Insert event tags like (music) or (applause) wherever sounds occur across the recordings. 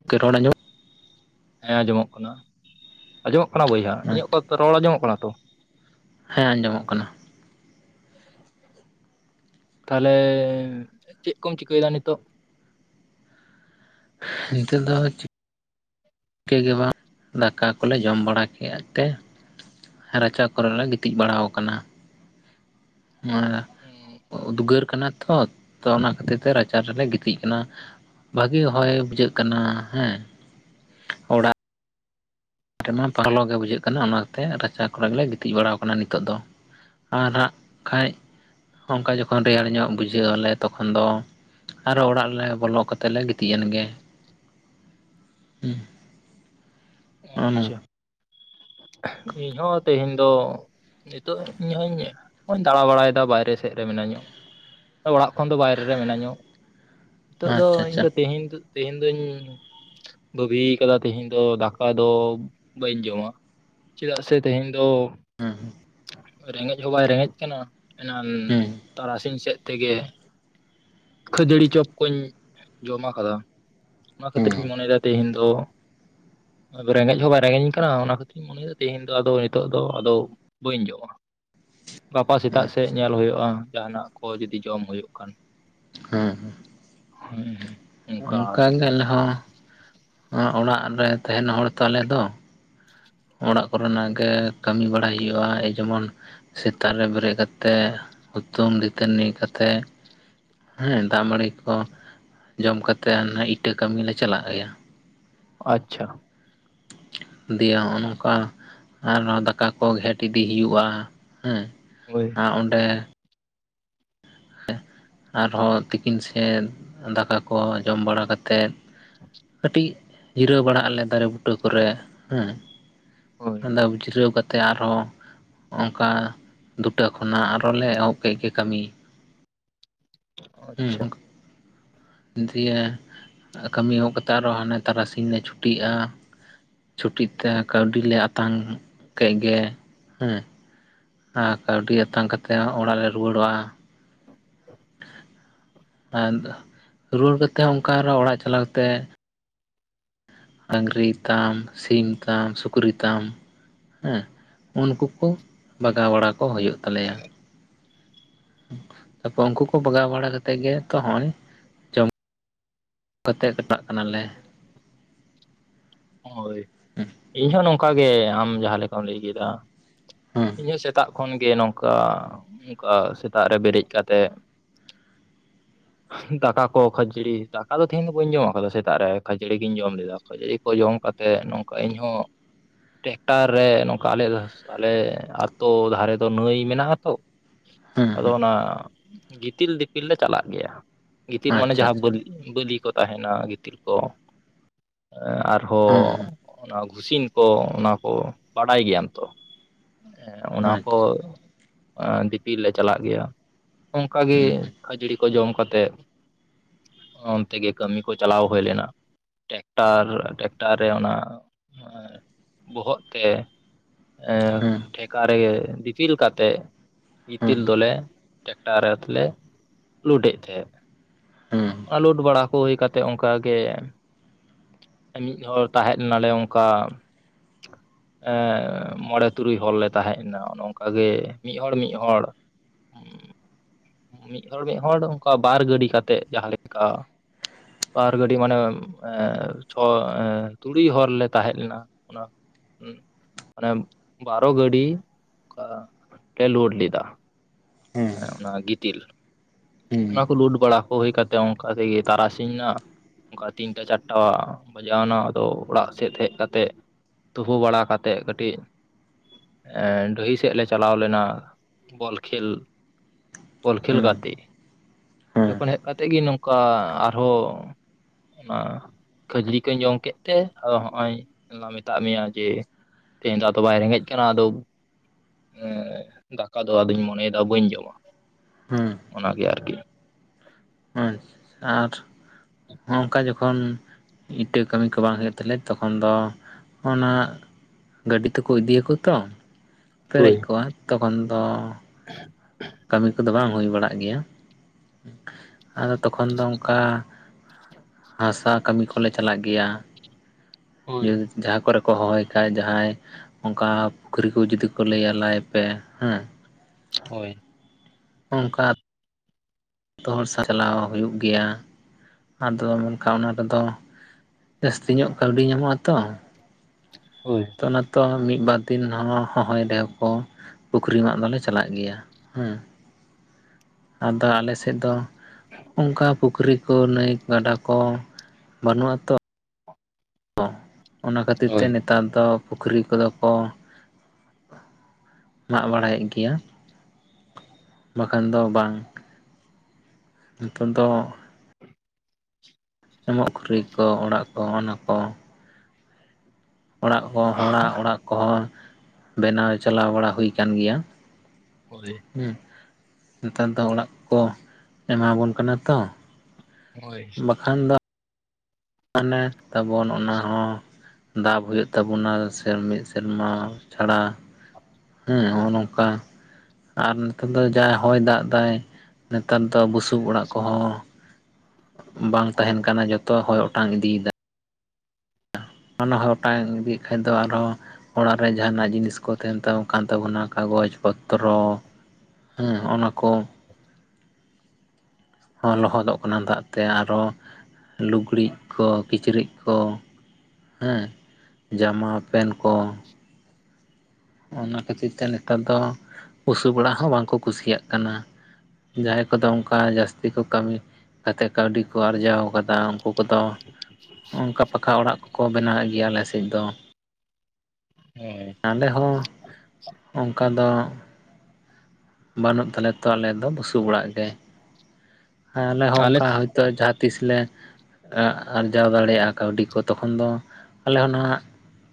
(inaudible) ᱦᱮᱸ ᱟᱸᱡᱚᱢᱚᱜ ᱠᱟᱱᱟ ᱟᱸᱡᱚᱢᱚᱜ ᱠᱟᱱᱟ ᱵᱚᱭᱦᱟ ᱤᱧᱟᱹᱜ ᱚᱠᱚ ᱨᱚᱲ ᱟᱸᱡᱚᱢᱚᱜ ᱠᱟᱱᱟ ᱛᱚ ᱦᱮᱸ ᱟᱸᱡᱚᱢᱚᱜ ᱠᱟᱱᱟ᱾ ᱛᱟᱦᱚᱞᱮ ᱪᱮᱫ ᱠᱚᱢ ᱪᱤᱠᱟᱹᱭᱮᱫᱟ ᱱᱤᱛᱚᱜ? ᱱᱤᱛᱚᱜ ᱫᱚ ᱤᱱᱠᱟᱹ ᱜᱮ ᱵᱟᱝ ᱫᱟᱠᱟ ᱠᱚᱞᱮ ᱡᱚᱢ ᱵᱟᱲᱟ ᱠᱮᱫ ᱛᱮ ᱨᱟᱪᱟ ᱠᱚᱨᱮᱞᱮ ᱜᱤᱛᱤᱡ ᱵᱟᱲᱟᱣ ᱟᱠᱟᱱᱟ᱾ ᱩᱫᱽᱜᱟᱹᱨ ᱠᱟᱱᱟ ᱛᱚ ᱚᱱᱟ ᱠᱷᱟᱹᱛᱤᱨ ᱛᱮ ᱨᱟᱪᱟᱨ ᱨᱮᱞᱮ ᱜᱤᱛᱤᱡ ᱠᱟᱱᱟ᱾ ᱵᱷᱟᱜᱤ ᱦᱚᱭ ᱵᱩᱡᱷᱟᱹᱜ ᱠᱟᱱᱟ ᱦᱮᱸ ᱚᱲᱟᱜ ᱨᱮᱢᱟ ᱯᱟᱨᱞᱚᱜ ᱜᱮ ᱵᱩᱡᱷᱟᱹᱜ ᱠᱟᱱᱟ ᱚᱱᱟᱛᱮ ᱨᱟᱪᱟ ᱠᱚᱨᱮ ᱜᱮᱞᱮ ᱜᱤᱛᱤᱡ ᱵᱟᱲᱟᱟᱣ ᱟᱠᱟᱱᱟ ᱱᱤᱛᱚᱜ ᱫᱚ ᱟᱨᱟᱜ ᱠᱷᱟᱱᱡ ᱚᱱᱠᱟ ᱡᱚᱠᱷᱚᱱ ᱨᱮᱭᱟᱲ ᱧᱚᱜ ᱵᱩᱡᱷᱟᱹ ᱟᱞᱮ ᱛᱚᱠᱷᱚᱱ ᱫᱚ ᱟᱨᱚ ᱚᱲᱟᱜ ᱨᱮᱞᱮ ᱵᱚᱞᱚ ᱠᱟᱛᱮᱜ ᱞᱮ ᱜᱤᱛᱤᱡ ᱮᱱ ᱜᱮ ᱦᱮᱸ ᱟᱪᱪᱷᱟ ᱤᱧ ᱦᱚᱸ ᱛᱮᱦᱮᱧ ᱫᱚ ᱱᱤᱛᱚᱜ ᱤᱧ ᱦᱚᱧᱜᱧ ᱫᱟᱬᱟ ᱵᱟᱲᱟᱭᱮᱫᱟ ᱵᱟᱭᱨᱮ ᱥᱮᱫ ᱨᱮ ᱢᱤᱱᱟᱹᱧᱚᱜ ᱚᱲᱟᱜ ᱠᱷᱚᱱ ᱫᱚ ᱵᱟᱭᱨᱮ ᱨᱮ ᱢᱮᱱᱟᱹᱧᱚᱜ ᱱᱤᱛᱚᱜ ᱫᱚ ᱟᱪᱪᱷᱟ ᱤᱧ ᱟᱪᱪᱷᱟ ᱫᱚ ᱛᱮᱦᱮᱧ ᱫᱚ ᱛᱮᱦᱮᱧ ᱫᱩᱧ ᱵᱟᱵᱤᱭ ᱟᱠᱟᱫᱟ ᱛᱮᱦᱤᱧ ᱫᱟ ᱚᱠᱟ ᱫᱚ ᱵᱟᱹᱧ ᱡᱚᱢᱟ ᱪᱮᱫᱟᱜ ᱥᱮ ᱛᱮᱦᱮᱧ ᱫᱚ ᱦᱩᱸ ᱨᱮᱸᱜᱮᱡ ᱦᱚᱸ ᱵᱟᱭ ᱨᱮᱸᱜᱮᱡ ᱠᱟᱱᱟ ᱮᱱᱟᱱ ᱦᱩᱸ ᱛᱟᱨᱟᱥᱤᱧ ᱥᱮᱫ ᱛᱮᱜᱮ ᱠᱷᱟᱹᱡᱟᱹᱲᱤ ᱪᱚᱯ ᱠᱩᱧ ᱡᱚᱢᱟᱠᱟᱫᱟ ᱚᱱᱟ ᱠᱷᱟᱹᱛᱤᱨᱧ ᱦᱩᱸ ᱢᱚᱱᱮᱫᱟ ᱛᱮᱦᱤᱧ ᱫᱚ ᱟᱫᱚ ᱨᱮᱸᱜᱮᱡ ᱦᱚᱸ ᱵᱟᱭ ᱨᱮᱸᱜᱮᱧ ᱠᱟᱱᱟ ᱚᱱᱟ ᱠᱷᱟᱹᱛᱤᱨᱧ ᱢᱚᱱᱮ ᱮᱫᱟ ᱛᱮᱦᱤᱧ ᱫᱚ ᱟᱫᱚ ᱱᱤᱛᱚᱜ ᱫᱚ ᱟᱫᱚ ᱵᱟᱹᱧ ᱡᱚᱜᱼᱟ ᱜᱟᱯᱟ ᱥᱮᱛᱟᱜ ᱥᱮᱫ ᱧᱮᱞ ᱦᱳᱭᱳᱼᱟ ᱡᱟᱦᱟᱱᱟᱜ ᱠᱚ ᱡᱩᱫᱤ ᱡᱚᱢ ᱦᱳᱭᱳᱜ ᱠᱷᱟᱱ ᱦᱮᱸ (unintelligible) ᱚᱱᱠᱟ ᱟᱨᱠᱤ ᱜᱮ ᱟᱞᱮ ᱦᱚᱸ ᱚᱲᱟᱜ ᱨᱮ ᱛᱟᱦᱮᱱ ᱦᱚᱲ ᱛᱟᱞᱮ ᱫᱚ ᱚᱲᱟᱜ ᱠᱚᱨᱮᱱᱟᱜ ᱜᱮ ᱠᱟᱹᱢᱤ ᱵᱟᱲᱟᱭ ᱦᱩᱭᱩᱜᱼᱟ ᱡᱮᱢᱚᱱ ᱥᱮᱛᱟᱜ ᱨᱮ ᱵᱮᱨᱮᱫ ᱠᱟᱛᱮᱫ ᱦᱩᱛᱩᱢ ᱫᱟ. ᱛᱟ. ᱱᱤ ᱠᱟᱛᱮᱜ ᱦᱮᱸ ᱫᱟᱜ ᱢᱟᱹᱲᱤ ᱠᱚ ᱡᱚᱢ ᱠᱟᱛᱮ ᱤᱴᱟᱹ ᱠᱟᱹᱢᱤ ᱞᱮ ᱪᱟᱞᱟᱜ ᱜᱮᱭᱟ ᱟᱪᱪᱷᱟ ᱫᱤᱭᱟ ᱱᱚᱜ ᱱᱚᱝᱠᱟ ᱟᱨ ᱫᱟᱠᱟ ᱠᱚ ᱜᱷᱮᱴ ᱤᱫᱤ ᱦᱩᱭᱩᱜᱼᱟ ᱦᱮᱸ ᱦᱳᱭ ᱟᱨ ᱚᱸᱰᱮ ᱟᱨᱦᱚᱸ ᱛᱤᱠᱤᱱ ᱥᱮᱫ ᱫᱟᱠᱟ ᱠᱚ ᱡᱚᱢ ᱵᱟᱲᱟ ᱠᱟᱛᱮ ᱠᱟᱹᱴᱤᱡ ᱡᱤᱨᱟᱹᱣ ᱵᱟᱲᱟᱜ ᱟᱞᱮ ᱫᱟᱨᱮ ᱵᱩᱴᱟᱹ ᱠᱚᱨᱮ ᱦᱮᱸ ᱦᱳᱭ ᱚᱱᱟᱫᱚ (unintelligible) ᱡᱤᱨᱟᱹᱣ ᱠᱟᱛᱮ ᱟᱨᱦᱚᱸ ᱚᱱᱠᱟ ᱫᱩᱴᱟᱹ ᱠᱷᱚᱱᱟᱜ ᱟᱨᱚᱸ ᱞᱮ ᱮᱦᱚᱵ ᱠᱮᱫ ᱜᱮ ᱠᱟᱹᱢᱤ ᱦᱮᱸ ᱟᱪᱪᱷᱟ ᱚᱱᱠᱟ ᱫᱤᱭᱮ ᱠᱟᱹᱢᱤ ᱮᱦᱚᱵᱚ ᱠᱟᱛᱮᱫ ᱟᱨ ᱦᱟᱱᱮ ᱛᱟᱨᱟᱥᱤᱧ ᱞᱮ ᱪᱷᱩᱴᱤᱜᱼᱟ ᱪᱷᱩᱴᱤᱜ ᱛᱮ ᱠᱟᱹᱣᱰᱤ ᱞᱮ ᱟᱛᱟᱝ ᱠᱮᱫ ᱜᱮ ᱦᱮᱸ ᱟᱨ ᱠᱟᱹᱣᱰᱤ ᱟᱛᱟᱝ ᱠᱟᱛᱮᱫ ᱦᱚᱸ ᱚᱲᱟᱜ ᱞᱮ ᱨᱩᱣᱟᱹᱲᱚᱜᱼᱟ ᱟ ᱨᱩᱣᱟᱹᱲ ᱠᱟᱛᱮ ᱦᱚᱸ ᱚᱱᱠᱟ ᱚᱲᱟᱜ ᱪᱟᱞᱟᱣ ᱠᱟᱛᱮᱫ ᱰᱟᱝᱨᱤ ᱛᱟᱢ ᱥᱤᱢ ᱛᱟᱢ ᱥᱩᱠᱨᱤ ᱛᱟᱢ ᱦᱮᱸ ᱩᱱᱠᱩ ᱠᱚ ᱵᱟᱜᱟᱣ ᱵᱟᱲᱟ ᱠᱚ ᱦᱩᱭᱩᱜ ᱛᱟᱞᱮᱭᱟ ᱛᱟᱯᱚᱨ ᱩᱱᱠᱩ ᱠᱚ ᱵᱟᱜᱟᱣ ᱵᱟᱲᱟ ᱠᱟᱛᱮᱜ ᱜᱮ ᱛᱚ ᱦᱚᱜᱚᱭ ᱠᱟᱛᱮᱜ ᱠᱟᱴᱟᱜ ᱠᱟᱱᱟᱞᱮ ᱦᱳᱭ ᱤᱧ ᱦᱚᱸ ᱱᱚᱝᱠᱟ ᱜᱮ ᱟᱢ ᱡᱟᱦᱟᱸ ᱞᱮᱠᱟᱢ ᱞᱟᱹᱭ ᱠᱮᱫᱟ ᱦᱮᱸ ᱤᱧ ᱦᱚᱸ ᱥᱮᱛᱟᱜ ᱠᱷᱚᱱᱜᱮ ᱱᱚᱝᱠᱟ ᱚᱱᱠᱟ ᱥᱮᱛᱟᱜ ᱨᱮ ᱵᱮᱨᱮᱫ ᱠᱟᱛᱮ ᱫᱟᱠᱟ ᱠᱚ ᱠᱷᱟᱹᱡᱲᱤ ᱫᱟᱠᱟ ᱫᱚ ᱛᱮᱦᱤᱧ ᱫᱚ ᱵᱟᱹᱧ ᱡᱚᱢᱟᱜ ᱟᱠᱟᱫᱟ ᱥᱮᱛᱟᱜ ᱨᱮ ᱠᱷᱟᱹᱡᱟᱹᱲᱤ ᱜᱤᱧ ᱡᱚᱢ ᱞᱮᱫᱟ ᱠᱷᱟᱹᱡᱟᱰᱤ ᱠᱚ ᱡᱚᱢ ᱠᱟᱛᱮ ᱱᱚᱝᱠᱟ ᱤᱧ ᱦᱚᱸ ᱴᱮᱠᱴᱟᱨ ᱨᱮ ᱱᱚᱝᱠᱟ ᱟᱞᱮ ᱟᱞᱮ ᱟᱛᱳ ᱫᱷᱟᱨᱮ ᱫᱚ ᱱᱟᱹᱭ ᱢᱮᱱᱟᱜ ᱟ ᱛᱚ ᱦᱮᱸ ᱟᱫᱚ ᱦᱮᱸ ᱚᱱᱟ ᱜᱤᱛᱤᱞ ᱫᱤᱯᱤᱞ ᱞᱮ ᱪᱟᱞᱟᱜ ᱜᱮᱭᱟ ᱜᱤᱛᱤᱞ ᱢᱟᱱᱮ ᱟᱪᱪᱷᱟ ᱡᱟᱦᱟᱸ ᱟᱪᱪᱷᱟ ᱵᱟᱞᱤ ᱵᱟᱹᱞᱤ ᱠᱚ ᱛᱟᱦᱮᱱᱟ ᱜᱤᱛᱤᱞ ᱠᱚ ᱦᱮᱸ ᱟᱨᱦᱚᱸ ᱦᱮᱸ ᱚᱱᱟ ᱜᱷᱩᱥᱤᱱ ᱠᱚ ᱚᱱᱟ ᱠᱚ ᱵᱟᱰᱟᱭ ᱜᱮᱭᱟᱢ ᱛᱚ ᱦᱮᱸ ᱚᱱᱟ ᱠᱚ ᱟᱪᱪᱷᱟ ᱫᱤᱯᱤᱞ ᱞᱮ ᱪᱟᱞᱟᱜ ᱜᱮᱭᱟ ᱚᱱᱠᱟᱜᱮ ᱦᱩᱸ ᱠᱷᱟᱹᱡᱟᱹᱲᱤ ᱠᱚ ᱡᱚᱢ ᱠᱟᱛᱮᱜ ᱚᱱᱛᱮ ᱜᱮ ᱠᱟᱹᱢᱤ ᱠᱚ ᱪᱟᱞᱟᱣ ᱦᱩᱭ ᱞᱮᱱᱟ ᱴᱮᱠᱴᱟᱨ ᱴᱮᱠᱴᱟᱨ ᱨᱮ ᱚᱱᱟ ᱵᱚᱦᱚᱜ ᱛᱮ ᱦᱩᱸ ᱴᱷᱮᱠᱟ ᱨᱮ ᱫᱤᱯᱤᱞ ᱠᱟᱛᱮᱫ ᱦᱩᱸ ᱜᱤᱛᱤᱞ ᱫᱚᱞᱮ ᱴᱮᱠᱴᱟᱨ ᱨᱮᱞᱮ ᱞᱳᱰ ᱮᱫ ᱛᱟᱦᱮᱸᱫ ᱦᱩᱸ ᱮ ᱞᱳᱴ ᱵᱟᱲᱟ ᱠᱚ ᱦᱩᱭ ᱠᱟᱛᱮᱜ ᱚᱱᱠᱟᱜᱮ ᱢᱤᱫ ᱦᱚᱲ ᱛᱟᱦᱮᱡ ᱞᱮᱱᱟ ᱞᱮ ᱚᱱᱠᱟ ᱮ ᱢᱚᱬᱮ ᱛᱩᱨᱩᱭ ᱦᱚᱲ ᱞᱮ ᱛᱟᱦᱮᱡ ᱞᱮᱱᱟ ᱚᱱᱮ ᱚᱱᱠᱟᱜ ᱜᱮ ᱢᱤᱫ ᱦᱚᱲ ᱢᱤᱫ ᱦᱚᱲ ᱩ ᱢᱤᱫᱦᱚᱲ ᱢᱤᱫᱦᱚᱲ ᱚᱱᱠᱟ ᱵᱟᱨ ᱜᱟᱹᱰᱤ ᱠᱟᱛᱮᱜ ᱡᱟᱦᱟᱸ ᱞᱮᱠᱟ ᱵᱟᱨ ᱜᱟᱹᱰᱤ ᱢᱟᱱᱮ ᱪᱷᱚ ᱛᱩᱲᱩᱭ ᱦᱚᱲᱞᱮ ᱛᱟᱦᱮᱸ ᱞᱮᱱᱟ ᱚᱱᱟ ᱢᱮ ᱵᱟᱨᱚ ᱜᱟᱹᱰᱤ ᱰᱤ ᱞᱳᱰ ᱞᱮᱫᱟ ᱦᱩᱸ ᱚᱱᱟ ᱜᱤᱛᱤᱞ ᱦᱩᱸ ᱚᱱᱟ ᱠᱚ ᱞᱩᱴ ᱵᱟᱲᱟ ᱠᱚ ᱦᱩᱭ ᱠᱟᱛᱮ ᱚᱱᱠᱟ ᱛᱮᱜᱮ ᱛᱟᱨᱟᱥᱤᱧ ᱱᱟ ᱚᱱᱠᱟ ᱛᱤᱱᱴᱟ ᱪᱟᱨᱴᱟ ᱵᱟᱡᱟᱣ ᱮᱱᱟ ᱟᱫᱚ ᱚᱲᱟᱜ ᱥᱮᱫ ᱦᱮᱡ ᱠᱟᱛᱮᱜ ᱛᱩᱯᱩ ᱵᱟᱲᱟ ᱠᱟᱛᱮᱫ ᱠᱟᱹᱴᱤᱡ ᱰᱟᱹᱦᱤ ᱥᱮᱫ ᱞᱮ ᱪᱟᱞᱟᱣ ᱞᱮᱱᱟ ᱵᱚᱞ ᱠᱷᱮᱞ ᱵᱚᱞ ᱠᱷᱮᱞ ᱦᱩᱸ ᱜᱟᱛᱮᱜ ᱚᱸᱰᱮ ᱦᱩᱸ ᱠᱷᱚᱱ ᱦᱮᱡ ᱠᱟᱛᱮᱫ ᱜᱮ ᱱᱚᱝᱠᱟ ᱟᱨᱦᱚᱸ ᱚᱱᱟ ᱠᱷᱟᱹᱡᱨᱤ ᱠᱚᱧ ᱡᱚᱢ ᱠᱮᱫ ᱛᱮ ᱟᱫᱚ ᱦᱚᱜ ᱚᱭ ᱢᱮᱛᱟᱫ ᱢᱮᱭᱟ ᱡᱮ ᱛᱮᱦᱮᱧ ᱫᱚ ᱟᱫᱚ ᱵᱟᱭ ᱨᱮᱸᱜᱮᱡ ᱠᱟᱱᱟ ᱟᱫᱚ ᱮ ᱫᱟᱠᱟ ᱫᱚ ᱟᱫᱚᱧ ᱢᱚᱱᱮᱭᱮᱫᱟ ᱵᱟᱹᱧ ᱡᱚᱢᱟ ᱦᱮᱸ ᱚᱱᱟᱜᱮ ᱟᱨᱠᱤ ᱦᱩ ᱟᱨ ᱦᱚᱸ ᱱᱚᱝᱠᱟ ᱡᱚᱠᱷᱚᱱ ᱤᱴᱟᱹ ᱠᱟᱹᱢᱤ ᱠᱚ ᱵᱟᱝ ᱦᱩᱭᱩᱜ ᱛᱟᱞᱮᱭᱟ ᱛᱚᱠᱷᱚᱱ ᱫᱚ ᱚᱱᱟ ᱜᱟᱹᱰᱤ ᱛᱮᱠᱚ ᱤᱫᱤᱭᱟᱠᱚ ᱛᱚ ᱯᱮᱨᱮᱡ ᱦᱳᱭ ᱠᱚᱜᱼᱟ ᱛᱚᱠᱷᱚᱱ ᱫᱚ (inaudible) ᱠᱟᱹᱢᱤ ᱠᱚᱫᱚ ᱵᱟᱝ ᱦᱩᱭ ᱵᱟᱲᱟᱜ ᱜᱮᱭᱟ ᱟᱫᱚ ᱛᱚᱠᱷᱚᱱ ᱫᱚ ᱚᱱᱠᱟ ᱦᱟᱥᱟ ᱠᱟᱹᱢᱤ ᱠᱚᱞᱮ ᱪᱟᱞᱟᱜ ᱜᱮᱭᱟ ᱦᱳᱭ ᱡᱟᱦᱟᱸ ᱠᱚᱨᱮ ᱠᱚ ᱦᱚᱦᱚᱭ ᱠᱷᱟᱡ ᱡᱟᱦᱟᱸᱭ ᱚᱱᱠᱟ ᱯᱩᱠᱷᱨᱤ ᱠᱚ ᱡᱩᱫᱤ ᱠᱚ ᱞᱟᱹᱭᱟ ᱞᱟᱭ ᱯᱮ ᱦᱮᱸ ᱦᱳᱭ ᱚᱱᱠᱟ ᱡᱚᱛᱚ ᱦᱚᱲ ᱥᱟ ᱪᱟᱞᱟᱣ ᱦᱩᱭᱩᱜ ᱜᱮᱭᱟ ᱟᱫᱚ ᱢᱮᱱᱠᱷᱟᱱ ᱚᱱᱟ ᱨᱮᱫᱚ ᱡᱟᱹᱥᱛᱤ ᱧᱚᱜ ᱠᱟᱹᱣᱰᱤ ᱧᱟᱢᱚᱜᱼᱟ ᱛᱚ ᱦᱳᱭ ᱛᱚ ᱚᱱᱟ ᱛᱚ ᱢᱤᱫ ᱵᱟᱨ ᱫᱤᱱ ᱦᱚᱦᱚᱭ ᱨᱮᱦᱚᱸ ᱠᱚ ᱯᱩᱠᱷᱨᱤ ᱢᱟᱜ ᱫᱚᱞᱮ ᱪᱟᱞᱟᱜ ᱜᱮᱭᱟ ᱦᱮᱸ ᱟᱫᱚ ᱟᱞᱮᱥᱮᱫ ᱫᱚ ᱚᱱᱠᱟ ᱯᱩᱠᱷᱨᱤ ᱠᱚ ᱱᱟᱹᱭ ᱜᱟᱰᱟ ᱠᱚ ᱵᱟᱹᱱᱩᱜ ᱟ ᱛᱚ ᱚᱱᱟ ᱠᱷᱟᱹᱛᱤᱨ ᱛᱮ ᱦᱳᱭ ᱱᱮᱛᱟᱨ ᱫᱚ ᱯᱩᱠᱷᱨᱤ ᱠᱚᱫᱚ ᱠᱚ ᱢᱟᱜ ᱵᱟᱲᱟᱭᱮᱫ ᱜᱮᱭᱟ ᱵᱟᱠᱷᱟᱱ ᱫᱚ ᱵᱟᱝ ᱱᱤᱛᱚᱝ ᱫᱚ ᱮᱢᱚᱜ ᱠᱷᱩᱨᱟᱹᱭ ᱠᱚ ᱚᱲᱟᱜ ᱠᱚ ᱚᱱᱟ ᱠᱚ ᱚᱲᱟᱜ ᱠᱚ ᱦᱚᱲᱟᱜ ᱚᱲᱟᱜ ᱠᱚᱦᱚᱸ ᱵᱮᱱᱟᱣ ᱪᱟᱞᱟᱣ ᱵᱟᱲᱟ ᱦᱩᱭ ᱟᱠᱟᱱ ᱜᱮᱭᱟ ᱦᱳᱭ (unintelligible) ᱦᱩᱸ ᱱᱮᱛᱟᱨ ᱫᱚ ᱚᱲᱟᱜ ᱠᱚ ᱮᱢᱟᱵᱚᱱ ᱠᱟᱱᱟ ᱛᱚ ᱦᱳᱭ ᱠᱷᱟᱱ ᱫᱚ ᱢᱟᱱᱮ ᱛᱟᱵᱚᱱ ᱚᱱᱟ ᱦᱚᱸ ᱫᱟᱵ ᱦᱩᱭᱩᱜ ᱛᱟᱵᱚᱱᱟ ᱥᱮ ᱢᱤᱫ ᱥᱮᱨᱢᱟ ᱪᱷᱟᱲᱟ ᱦᱮ ᱱᱚᱜᱼᱚ ᱱᱚᱝᱠᱟ ᱟᱨ ᱱᱮᱛᱟᱨ ᱫᱚ ᱡᱟᱦᱟᱸᱭ ᱦᱚᱭ ᱫᱟᱜ ᱫᱟᱭ ᱱᱮᱛᱟᱨ ᱫᱚ ᱵᱩᱥᱩᱵ ᱚᱲᱟᱜ ᱠᱚᱦᱚᱸ ᱵᱟᱝ ᱛᱟᱦᱮᱱ ᱠᱟᱱᱟ ᱡᱚᱛᱚ ᱦᱚᱭ ᱚᱴᱟᱝ ᱤᱫᱤᱭᱮᱫᱟ (inaudible) ᱚᱴᱟᱝ ᱤᱫᱤᱭᱮᱫ ᱠᱷᱟᱱ ᱫᱚ ᱟᱨᱦᱚᱸ ᱚᱲᱟᱜ ᱨᱮ ᱡᱟᱦᱟᱱᱟᱜ ᱡᱤᱱᱤᱥ ᱠᱚ ᱛᱟᱦᱮᱱ ᱛᱟᱵᱚᱱ ᱠᱟᱱ ᱛᱟᱵᱚᱱᱟ ᱠᱟᱜᱚᱡᱽ ᱯᱚᱛᱨᱚ ᱦᱮᱸ ᱦᱚᱸᱜᱼᱚ ᱱᱟ ᱠᱚ ᱦᱚᱸ ᱞᱚᱦᱚᱫᱚᱜ ᱠᱟᱱᱟ ᱫᱟᱜ ᱛᱮ ᱟᱨᱚ ᱞᱩᱜᱽᱲᱤᱡ ᱠᱚ ᱠᱤᱪᱨᱤᱡ ᱠᱚ ᱦᱮᱸ ᱡᱟᱢᱟ ᱯᱮᱱ ᱠᱚ ᱚᱱᱟ ᱠᱷᱟᱹᱛᱤᱨ ᱛᱮ ᱱᱮᱛᱟᱨ ᱫᱚ ᱵᱩᱥᱩᱵ ᱚᱲᱟᱜ ᱦᱚᱸ ᱵᱟᱝᱠᱚ ᱠᱩᱥᱤᱭᱟᱜ ᱠᱟᱱᱟ ᱡᱟᱦᱟᱸᱭ ᱠᱚᱫᱚ ᱚᱱᱠᱟ ᱡᱟᱹᱥᱛᱤ ᱠᱚ ᱠᱟᱹᱢᱤ ᱠᱟᱛᱮ ᱠᱟᱹᱣᱰᱤ ᱠᱚ ᱟᱨᱡᱟᱣ ᱟᱠᱟᱫᱟ ᱩᱱᱠᱩ ᱠᱚᱫᱚ ᱚᱱᱠᱟ ᱯᱟᱠᱟ ᱚᱲᱟᱜ ᱠᱚ ᱠᱚ ᱵᱮᱱᱟᱣᱮᱫ ᱜᱮᱭᱟ ᱟᱞᱮᱥᱮᱫ ᱫᱚ ᱦᱳᱭ ᱟᱞᱮ ᱦᱚᱸ ᱚᱱᱠᱟ ᱫᱚ ᱵᱟᱹᱱᱩᱜ ᱛᱟᱞᱮ ᱛᱚ ᱟᱞᱮ ᱫᱚ ᱵᱩᱥᱩᱵ ᱚᱲᱟᱜ ᱜᱮ ᱟᱞᱮ ᱦᱚᱸ ᱚᱱᱠᱟ ᱦᱚᱭᱛᱳ ᱡᱟᱦᱟᱸ ᱛᱤᱥ ᱞᱮ ᱟᱨᱡᱟᱣ ᱫᱟᱲᱮᱭᱟᱜᱼᱟ ᱠᱟᱹᱣᱰᱤ ᱠᱚ ᱛᱚᱠᱷᱚᱱ ᱫᱚ ᱟᱞᱮ ᱦᱚᱸ ᱱᱚᱣᱟ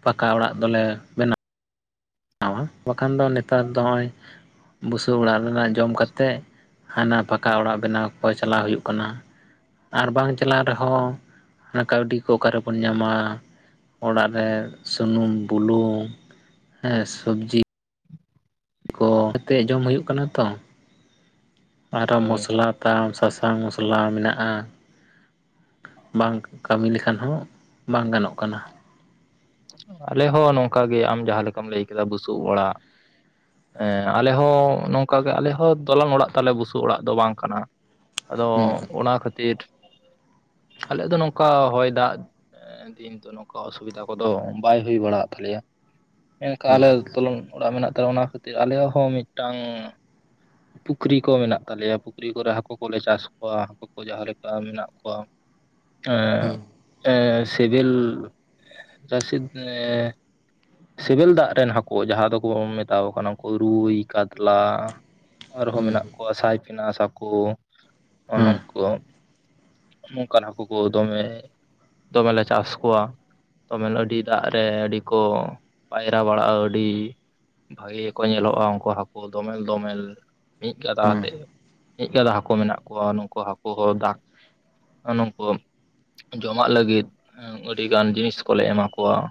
ᱯᱟᱠᱟ ᱚᱲᱟᱜ ᱫᱚᱞᱮ ᱵᱮᱱᱟᱣᱟ ᱣᱟ (unintelligible) ᱵᱟᱠᱷᱟᱱ ᱫᱚ ᱱᱮᱛᱟᱨ ᱫᱚ ᱱᱚᱜᱼᱚᱭ ᱵᱩᱥᱩᱵ ᱚᱲᱟᱜ ᱨᱮᱱᱟᱜ ᱡᱚᱢ ᱠᱟᱛᱮᱫ ᱦᱟᱱᱟ ᱯᱟᱠᱟ ᱚᱲᱟᱜ ᱵᱮᱱᱟᱣ ᱠᱚ ᱪᱟᱞᱟᱣ ᱦᱩᱭᱩᱜ ᱠᱟᱱᱟ ᱟᱨ ᱵᱟᱝ ᱪᱟᱞᱟᱜ ᱨᱮᱦᱚᱸ ᱠᱟᱹᱣᱰᱤ ᱠᱚ ᱚᱠᱟᱨᱮᱵᱚᱱ ᱧᱟᱢᱟ ᱚᱲᱟᱜ ᱨᱮ ᱥᱩᱱᱩᱢ ᱵᱩᱞᱩᱝ ᱦᱮᱸ ᱥᱚᱵᱽᱡᱤ ᱠᱚ ᱛᱮ ᱡᱚᱢ ᱦᱩᱭᱩᱜ ᱠᱟᱱᱟ ᱛᱚ ᱟᱨᱚ ᱦᱳᱭ ᱢᱚᱥᱞᱟ (unintelligible) ᱥᱟᱥᱟᱝ ᱢᱚᱥᱞᱟ ᱢᱮᱱᱟᱜᱼᱟ ᱵᱟᱝ ᱠᱟᱹᱢᱤ ᱞᱮᱠᱷᱟᱱ ᱦᱚᱸ ᱵᱟᱝ ᱜᱟᱱᱚᱜ ᱠᱟᱱᱟ ᱟᱞᱮ ᱦᱚᱸ ᱱᱚᱝᱠᱟ ᱜᱮ ᱟᱢ ᱡᱟᱦᱟᱸ ᱞᱮᱠᱟᱢ ᱞᱟᱹᱭ ᱠᱮᱫᱟ ᱵᱩᱥᱩᱵ ᱚᱲᱟᱜ ᱦᱮᱸ ᱟᱞᱮ ᱦᱚᱸ ᱱᱚᱝᱠᱟ ᱜᱮ ᱟᱞᱮ ᱦᱚᱸ ᱫᱚᱞᱟᱱ ᱚᱲᱟᱜ ᱛᱟᱞᱮ ᱵᱩᱥᱩᱵ ᱚᱲᱟᱜ ᱫᱚ ᱵᱟᱝ ᱠᱟᱱᱟ ᱟᱫᱚ ᱦᱩᱸ ᱚᱱᱟ ᱠᱷᱟᱹᱛᱤᱨ ᱟᱞᱮᱭᱟᱜ ᱫᱚ ᱱᱚᱝᱠᱟ ᱦᱚᱭ ᱫᱟᱜ ᱫᱤᱱ ᱫᱚ ᱱᱚᱝᱠᱟ ᱚᱥᱩᱵᱤᱫᱷᱟ ᱠᱚ ᱫᱚ ᱵᱟᱭ ᱦᱩᱭ ᱵᱟᱲᱟᱜ ᱛᱟᱞᱮᱭᱟ ᱮᱱᱠᱟ ᱟᱞᱮ ᱦᱩᱸ (unintelligible) ᱚᱲᱟᱜ ᱢᱮᱱᱟᱜ ᱛᱟᱞᱮ ᱚᱱᱟ ᱠᱷᱟᱹᱛᱤᱨ ᱟᱞᱮᱭᱟᱜ ᱦᱚᱸ ᱢᱤᱫᱴᱟᱝ ᱯᱩᱠᱷᱨᱤ ᱠᱚ ᱢᱮᱱᱟᱜ ᱛᱟᱞᱮᱭᱟ ᱯᱩᱠᱷᱨᱤ ᱠᱚᱨᱮ ᱦᱟᱹᱠᱳ ᱠᱚᱞᱮ ᱪᱟᱥ ᱠᱚᱣᱟ (inaudible) ᱠᱚ ᱡᱟᱦᱟᱸ ᱞᱮᱠᱟ ᱢᱮᱱᱟᱜ ᱠᱚᱣᱟ ᱦᱩᱸ ᱥᱤᱵᱤᱞ (unintelligible) ᱨᱥᱤᱫ ᱥᱤᱵᱤᱞ ᱫᱟᱜ ᱨᱮᱱ ᱦᱟᱹᱠᱳ ᱡᱟᱦᱟᱸ ᱫᱚᱠᱚ ᱢᱮᱛᱟᱣ ᱠᱟᱱᱟ ᱩᱱᱠᱩ ᱨᱩᱭ ᱠᱟᱛᱞᱟ ᱟᱨᱦᱚᱸ ᱦᱩᱸ ᱢᱮᱱᱟᱜ ᱠᱚᱣᱟ ᱥᱟᱭ ᱯᱤᱱᱟᱥ ᱦᱟᱸᱠᱳ ᱦᱩᱸ ᱱᱚᱝ ᱠᱚ ᱱᱚᱝᱠᱟ ᱦᱟᱹᱠᱩ ᱠᱚ ᱫᱚᱢᱮ ᱫᱚᱢᱮᱞᱮ ᱪᱟᱥ ᱠᱚᱣᱟ ᱫᱚᱢᱮᱞ ᱟᱹᱰᱤ ᱫᱟᱜ ᱨᱮ ᱟᱹᱰᱤ ᱠᱚ ᱯᱟᱭᱨᱟ ᱵᱟᱲᱟᱜᱼᱟ ᱟᱹᱰᱤ ᱵᱷᱟᱹᱜᱤ ᱜᱮᱠᱚ ᱧᱮᱞᱚᱜᱼᱟ ᱩᱱᱠᱳ ᱦᱟᱹᱠᱳ ᱫᱚᱢᱮᱞ ᱫᱚᱢᱮᱞ ᱢᱤᱫ ᱜᱟᱫᱟ ᱦᱩᱸ ᱦᱩᱸ ᱠᱟᱛᱮᱫ ᱢᱤᱫ ᱜᱟᱰᱟ ᱦᱟᱹᱠᱳ ᱢᱮᱱᱟᱜ ᱠᱚᱣᱟ ᱱᱩᱱᱠᱩ ᱦᱟᱹᱠᱳ ᱦᱚᱸ ᱫᱟᱜ ᱱᱩᱝᱠᱩ ᱡᱚᱢᱟᱜ ᱞᱟᱹᱜᱤᱫ ᱟᱹᱰᱤ ᱜᱟᱱ ᱡᱤᱱᱤᱥ ᱠᱚᱞᱮ ᱮᱢᱟ ᱠᱚᱣᱟ ᱚ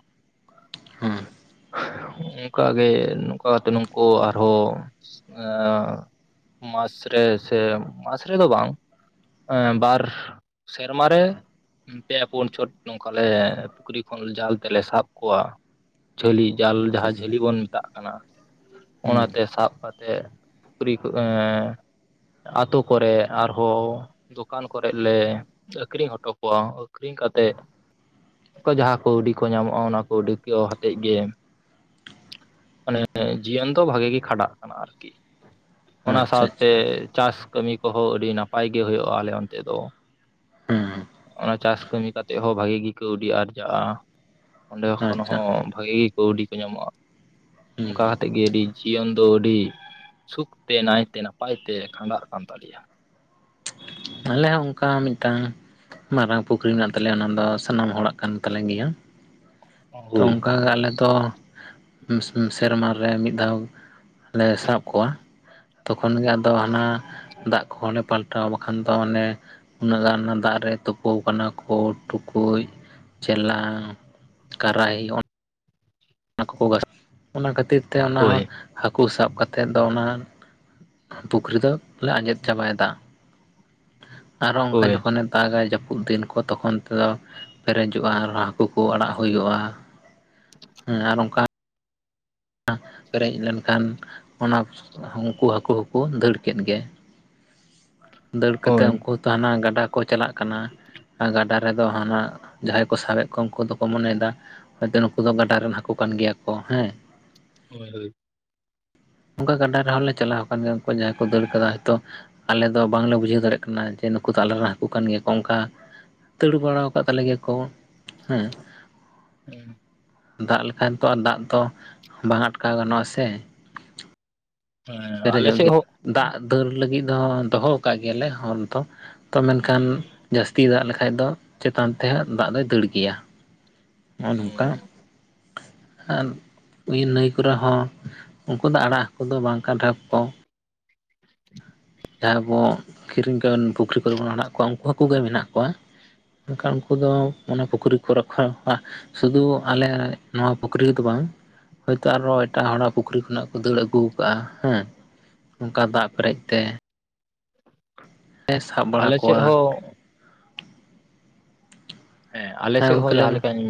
ᱦᱩᱸ (unintelligible) ᱚᱱᱠᱟᱜ ᱜᱮ ᱱᱚᱝᱠᱟ ᱠᱟᱛᱮ ᱱᱩᱝᱠᱩ ᱟᱨᱦᱚᱸ ᱢᱟᱥ ᱨᱮ ᱥᱮ ᱢᱟᱥ ᱨᱮᱫᱚ ᱵᱟᱝ ᱵᱟᱨ ᱥᱮᱨᱢᱟ ᱨᱮ ᱯᱮ ᱯᱩᱱ ᱪᱷᱚᱴ ᱱᱚᱝᱠᱟ ᱞᱮ ᱯᱩᱠᱷᱨᱤ ᱠᱷᱚᱱ ᱡᱟᱞ ᱛᱮᱞᱮ ᱥᱟᱵ ᱠᱚᱣᱟ ᱡᱷᱟᱹᱞᱤ ᱡᱟᱞ ᱟᱪᱪᱷᱟ ᱡᱟᱦᱟᱸ ᱟᱪᱪᱷᱟ ᱡᱷᱟᱹᱞᱤ ᱵᱚᱱ ᱢᱮᱛᱟᱜ ᱠᱟᱱᱟ ᱦᱩᱸ ᱚᱱᱟᱛᱮ ᱥᱟᱵ ᱠᱟᱛᱮᱜ ᱯᱩᱠᱷᱨᱤ ᱠᱚ ᱟᱹᱛᱳ ᱠᱚᱨᱮ ᱟᱨᱦᱚᱸ ᱫᱚᱠᱟᱱ ᱠᱚᱨᱮᱫ ᱞᱮ ᱟᱹᱠᱷᱨᱤᱧ ᱦᱚᱴᱚ ᱠᱚᱣᱟ ᱟᱹᱠᱷᱨᱤᱧ ᱠᱟᱛᱮᱫ ᱚᱱᱠᱟ ᱡᱟᱦᱟᱸ ᱠᱟᱹᱣᱰᱤ ᱠᱚ ᱧᱟᱢᱚᱜᱼᱟ ᱚᱱᱟ ᱠᱟᱹᱣᱰᱤ ᱠᱚ ᱦᱟᱛᱮᱫ ᱜᱮ ᱢᱟᱱᱮ ᱡᱤᱭᱚᱱ ᱫᱚ ᱵᱷᱟᱜᱤ ᱜᱮ ᱠᱷᱟᱸᱰᱟᱜ ᱠᱟᱱᱟ ᱟᱨᱠᱤ ᱚᱱᱟ ᱟᱪᱪᱷᱟ ᱥᱟᱶᱛᱮ ᱟᱪᱪᱷᱟ ᱪᱟᱥ ᱠᱟᱹᱢᱤ ᱠᱚᱦᱚᱸ ᱟᱹᱰᱤ ᱱᱟᱯᱟᱭ ᱜᱮ ᱦᱳᱭᱳᱜᱼᱟ ᱟᱞᱮ ᱚᱱᱛᱮ ᱫᱚ ᱦᱩᱸ ᱚᱱᱟ ᱪᱟᱥ ᱠᱟᱹᱢᱤ ᱠᱟᱛᱮ ᱦᱚᱸ ᱵᱷᱟᱜᱤ ᱜᱮ ᱠᱟᱹᱣᱰᱤ ᱟᱨᱡᱟᱜᱼᱟ ᱚᱸᱰᱮ ᱠᱷᱚᱱ ᱟᱪᱪᱷᱟ ᱦᱚᱸ ᱵᱷᱟᱜᱤ ᱜᱮ ᱠᱟᱹᱣᱰᱤ ᱠᱚ ᱧᱟᱢᱚᱜᱼᱟ ᱚᱱᱠᱟ ᱦᱩᱸ ᱠᱟᱛᱮᱫ ᱜᱮ ᱟᱹᱰᱤ ᱡᱤᱭᱚᱱ ᱫᱚ ᱟᱹᱰᱤ ᱥᱩᱠᱛᱮ ᱱᱟᱭᱛᱮ ᱱᱟᱯᱟᱭ ᱛᱮ ᱠᱷᱟᱸᱰᱟᱜ ᱠᱟᱱ ᱛᱟᱞᱮᱭᱟ ᱟᱞᱮ ᱦᱚᱸ ᱚᱱᱠᱟ ᱢᱤᱫ ᱢᱤᱫᱴᱟᱝ ᱢᱟᱨᱟᱝ ᱯᱩᱠᱷᱨᱤ ᱢᱮᱱᱟᱜ ᱛᱟᱞᱮᱭᱟ ᱚᱱᱟ ᱫᱚ ᱥᱟᱱᱟᱢ ᱦᱚᱲᱟᱜ ᱠᱟᱱ ᱛᱟᱞᱮ ᱜᱮᱭᱟ ᱛᱚ ᱦᱳᱭ ᱚᱱᱠᱟ ᱜᱮ ᱟᱞᱮ ᱫᱚ ᱥᱮᱨᱢᱟ ᱨᱮ ᱢᱤᱫ ᱫᱷᱟᱣ ᱞᱮ ᱥᱟᱵ ᱠᱚᱣᱟ ᱛᱚᱠᱷᱚᱱ ᱜᱮ ᱟᱫᱚ ᱦᱟᱱᱟ ᱫᱟᱜ ᱠᱚᱦᱚᱸ ᱞᱮ ᱯᱟᱞᱴᱟᱣ ᱟ ᱠᱷᱟᱱ ᱫᱚ ᱦᱟᱱᱮ ᱩᱱᱟᱹᱜ ᱜᱟᱱ ᱫᱟᱜ ᱨᱮ ᱛᱩᱯᱳ ᱟᱠᱟᱱᱟ ᱠᱚ ᱴᱩᱠᱩᱡ ᱪᱮᱞᱟᱝ ᱠᱟᱨᱟᱦᱤ ᱚᱱᱟ ᱚᱱᱟ ᱠᱷᱟᱛᱤᱨ ᱛᱮ (unintelligible) ᱚᱱᱟ ᱦᱳᱭ ᱦᱟᱹᱠᱩ ᱥᱟᱵ ᱠᱟᱛᱮᱜ ᱫᱚ ᱚᱱᱟ ᱯᱩᱠᱷᱨᱤ ᱫᱚᱞᱮ ᱟᱸᱡᱮᱫ ᱪᱟᱵᱟᱭ ᱮᱫᱟ ᱟᱨᱦᱚᱸ ᱚᱱᱠᱟ ᱦᱳᱭ ᱡᱚᱠᱷᱚᱱ ᱮ ᱫᱟᱜᱟᱭ ᱡᱟᱹᱯᱩᱫ ᱫᱤᱱ ᱠᱚ ᱛᱚᱠᱷᱚᱱ ᱛᱮᱫᱚ ᱯᱮᱨᱮᱡᱚᱜᱼᱟ ᱟᱨ ᱦᱟᱹᱠᱩ ᱠᱚ ᱟᱲᱟᱜ ᱦᱩᱭᱩᱜᱼᱟ ᱦᱮᱸ ᱟᱨ ᱚᱱᱠᱟ ᱫᱟᱜ ᱯᱮᱨᱮᱡ ᱞᱮᱱᱠᱷᱟᱱ ᱚᱱᱟ ᱩᱱᱠᱩ ᱦᱟᱹᱠᱩ ᱦᱚᱸᱠᱚ ᱫᱟᱹᱲ ᱠᱮᱫ ᱜᱮ ᱫᱟᱹᱲ ᱠᱟᱛᱮᱫ ᱦᱳᱭ ᱩᱱᱠᱩ ᱦᱟᱱᱟ ᱜᱟᱰᱟ ᱠᱚ ᱪᱟᱞᱟᱜ ᱠᱟᱱᱟ ᱟᱨ ᱜᱟᱰᱟ ᱨᱮᱫᱚ ᱦᱟᱱᱟ ᱡᱟᱦᱟᱸᱭ ᱠᱚ ᱥᱟᱵᱮᱫ ᱠᱚᱣᱟ ᱩᱱᱠᱩ ᱫᱚᱠᱚ ᱢᱚᱱᱮᱭᱮᱫᱟ ᱦᱚᱳᱭᱛᱳ ᱱᱩᱠᱩ ᱫᱚ ᱜᱟᱸᱰᱟ ᱨᱮᱱ ᱦᱟᱹᱠᱩ ᱠᱟᱱ ᱜᱮᱭᱟ ᱠᱚ ᱦᱮᱸ ᱦᱳᱭ ᱦᱳᱭ ᱚᱱᱠᱟ ᱜᱟᱸᱰᱟ ᱨᱮᱦᱚᱸ ᱞᱮ ᱪᱟᱞᱟᱣ ᱟᱠᱟᱱᱟ ᱜᱮᱭᱟ ᱩᱱᱠᱩ ᱡᱟᱦᱟᱸᱭ ᱠᱚ ᱫᱟᱹᱲ ᱠᱟᱫᱟ ᱦᱚᱭᱛᱳ ᱟᱞᱮ ᱫᱚ ᱵᱟᱝᱞᱮ ᱵᱩᱡᱷᱟᱹᱣ ᱫᱟᱲᱮᱭᱟᱜ ᱠᱟᱱᱟ ᱡᱮ ᱱᱩᱠᱩ ᱫᱚ ᱟᱞᱮᱨᱮᱱ ᱦᱟᱹᱠᱩ ᱠᱟᱱ ᱜᱮᱭᱟᱠᱚ ᱚᱱᱠᱟ ᱫᱟᱹᱲ ᱵᱟᱲᱟ ᱟᱠᱟᱫ ᱛᱟᱞᱮ ᱜᱮᱭᱟ ᱠᱚ ᱦᱮᱸ ᱫᱟᱜ ᱞᱮᱠᱷᱟᱱ ᱛᱚ ᱫᱟᱜ ᱫᱚ ᱵᱟᱝ ᱟᱴᱠᱟᱣ ᱜᱟᱱᱚᱜᱼᱟ ᱥᱮ ᱦᱮᱸ ᱟᱞᱮ ᱯᱮᱨᱮᱡᱚᱜ ᱥᱮᱫ ᱜᱮᱭᱟ ᱦᱚᱸ ᱫᱟᱜ ᱫᱟᱹᱲ ᱞᱟᱹᱜᱤᱫ ᱫᱚ ᱫᱚᱦᱚ ᱟᱠᱟᱫ ᱜᱮᱭᱟᱞᱮ ᱦᱚᱨ ᱫᱚ ᱛᱚ ᱢᱮᱱᱠᱷᱟᱱ ᱡᱟᱹᱥᱛᱤ ᱫᱟᱜ ᱞᱮᱠᱷᱟᱱ ᱫᱚ ᱪᱮᱛᱟᱱ ᱛᱮᱦᱚᱸ ᱫᱟᱜ ᱫᱚᱭ ᱫᱟᱹᱲ ᱜᱮᱭᱟ ᱱᱚᱜᱼᱚ ᱱᱚᱝᱠᱟ ᱦᱩᱸ ᱟᱨ ᱱᱟᱹᱭ ᱠᱚᱨᱮ ᱦᱚᱸ ᱩᱱᱠᱩ ᱫᱚ ᱟᱲᱟᱜ ᱦᱟᱹᱠᱩ ᱫᱚ ᱵᱟᱝ ᱠᱟᱴᱷᱟᱠ ᱠᱚ ᱡᱟᱦᱟᱸᱭ ᱵᱚᱱ ᱠᱤᱨᱤᱧ ᱯᱩᱠᱷᱨᱤ ᱠᱚᱨᱮ ᱵᱚᱱ ᱟᱲᱟᱜ ᱠᱚ ᱩᱱᱠᱩ ᱦᱟᱠᱩ ᱜᱮ ᱢᱮᱱᱟᱜ ᱠᱚᱣᱟ ᱢᱮᱱᱠᱷᱟᱱ ᱩᱱᱠᱩ ᱫᱚ ᱚᱱᱟ ᱯᱩᱠᱷᱨᱤ ᱠᱚ ᱨᱚᱠᱷᱚᱭᱣᱟ ᱥᱩᱫᱩ ᱟᱞᱮ ᱱᱚᱣᱟ ᱯᱩᱠᱷᱨᱤ ᱨᱮᱫᱚ ᱵᱟᱝ ᱦᱚᱳᱭᱛᱳ ᱟᱨᱦᱚ ᱮᱴᱟᱜ ᱦᱚᱲᱟᱜ ᱯᱩᱠᱷᱨᱤ ᱠᱷᱚᱱᱟᱜ ᱠᱚ ᱫᱟᱹᱲ ᱟᱹᱜᱩ ᱟᱠᱟᱫᱟᱼᱟ ᱦᱮᱸ ᱚᱱᱠᱟ ᱫᱟᱜ ᱯᱮᱨᱮᱡ ᱛᱮ ᱞᱮ ᱥᱟᱵ ᱵᱟᱲᱟ ᱟᱞᱮ ᱥᱮᱫ ᱠᱚᱣᱟ ᱦᱚᱸ ᱦᱮᱸ ᱟᱞᱮᱥᱮᱫ ᱜᱚᱝᱠᱮ ᱦᱚᱸ ᱞᱟᱹᱭ ᱡᱟᱦᱟ ᱢᱮ ᱞᱮᱠᱟᱧ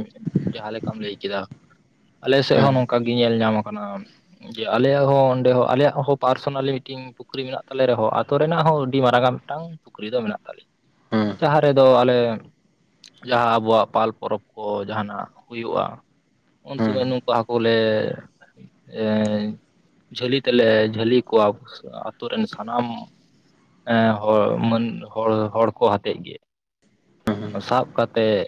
ᱡᱟᱦᱟᱸ ᱞᱮᱠᱟᱢ ᱞᱟᱹᱭ ᱠᱮᱫᱟ ᱟᱞᱮ ᱥᱮᱫ ᱦᱚᱸ ᱦᱮᱸ ᱱᱚᱝᱠᱟ ᱜᱮ ᱧᱮᱞ ᱧᱟᱢᱟ ᱠᱟᱱᱟ ᱡᱮ ᱟᱞᱮᱭᱟᱜ ᱦᱚᱸ ᱚᱸᱰᱮ ᱦᱚᱸ ᱟᱞᱮᱭᱟᱜ ᱦᱚᱸ ᱯᱟᱨᱥᱚᱱᱟᱞ ᱢᱤᱴᱤᱝ ᱯᱩᱠᱨᱤ ᱢᱮᱱᱟᱜ ᱛᱟᱞᱮ ᱨᱮᱦᱚᱸ ᱟᱹᱛᱩ ᱨᱮᱱᱟᱜ ᱦᱚᱸ ᱟᱹᱰᱤ ᱢᱟᱨᱟᱝ ᱟ ᱢᱤᱫᱴᱟᱝ ᱯᱩᱠᱨᱤ ᱫᱚ ᱢᱮᱱᱟᱜ ᱛᱟᱞᱮᱭᱟ ᱦᱮᱸ ᱡᱟᱦᱟᱸ ᱨᱮᱫᱚ ᱟᱞᱮ ᱡᱟᱦᱟᱸ ᱟᱵᱚᱣᱟᱜ ᱯᱟᱞ ᱯᱚᱨᱚᱵᱽ ᱠᱚ ᱡᱟᱦᱟᱱᱟᱜ ᱦᱩᱭᱩᱜᱼᱟ ᱩᱱ ᱦᱮᱸ ᱥᱩᱢᱚᱭ ᱱᱩᱠᱩ ᱦᱟᱹᱠᱩ ᱵᱚᱞᱮ ᱡᱷᱟᱹᱞᱤ ᱛᱮᱞᱮ ᱡᱷᱟᱹᱞᱤ ᱠᱚᱣᱟ ᱟᱹᱛᱩ ᱨᱮᱱ ᱥᱟᱱᱟᱢ ᱮᱸ ᱦᱚᱲ ᱢᱟᱹᱱ ᱦᱚᱲ ᱦᱚᱲ ᱠᱚ ᱟᱛᱮᱫ ᱜᱮ ᱥᱟᱵ ᱠᱟᱛᱮᱫ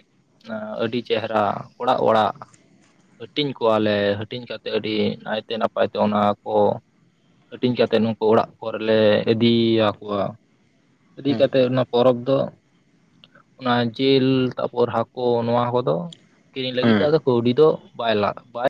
ᱟᱹᱰᱤ ᱪᱮᱦᱨᱟ ᱚᱲᱟᱜ ᱚᱲᱟᱜ ᱦᱟᱹᱴᱤᱧ ᱠᱚᱣᱟᱞᱮ ᱦᱟᱹᱴᱤᱧ ᱠᱟᱛᱮ ᱟᱹᱰᱤ ᱱᱟᱭᱛᱮ ᱱᱟᱯᱟᱭ ᱛᱮ ᱚᱱᱟ ᱠᱚ ᱦᱟᱹᱴᱤᱧ ᱠᱟᱛᱮᱫ ᱱᱩᱠᱩ ᱚᱲᱟᱜ ᱠᱚᱨᱮᱞᱮ ᱤᱫᱤᱭᱟᱠᱚᱣᱟ ᱤᱫᱤ ᱦᱮᱸ ᱠᱟᱛᱮᱫ ᱚᱱᱟ ᱯᱚᱨᱚᱵᱽ ᱫᱚ ᱚᱱᱟ ᱡᱤᱞ ᱛᱟᱨᱯᱚᱨ ᱦᱟᱹᱠᱩ ᱱᱚᱣᱟ ᱠᱚᱫᱚ ᱠᱤᱨᱤᱧ ᱞᱟᱹᱜᱤᱫ ᱦᱮᱸ ᱫᱚ ᱟᱫᱚ ᱠᱟᱹᱣᱰᱤ ᱫᱚ ᱵᱟᱭ ᱞᱟᱜᱟᱜᱼᱟ ᱵᱟᱭ